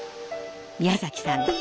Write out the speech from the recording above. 宮崎さん